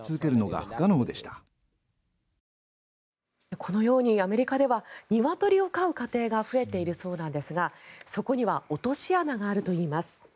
このようにアメリカではニワトリを飼う家庭が増えているそうなんですがそこには落とし穴があるといいます。